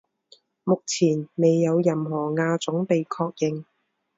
目前未有任何亚种被确认。